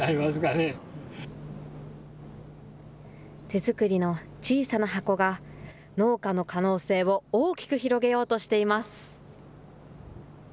手作りの小さな箱が、農家の可能性を大きく広げようとしています。